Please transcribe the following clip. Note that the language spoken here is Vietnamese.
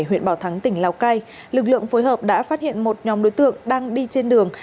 huyện bảo thắng tỉnh lào cai lực lượng phối hợp đã phát hiện một nhóm đối tượng đang đi trên đường